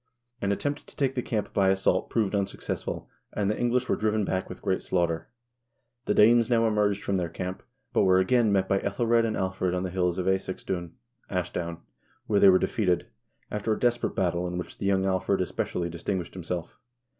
An attempt to take the camp by assault proved unsuccessful, and the English were driven back with great slaughter. The Danes now emerged from their camp, but were again met by iEthelred and Alfred on the hills of ^Escesdun (Ashdown), where they were defeated, after a desperate battle in which the young Alfred especially distinguished himself.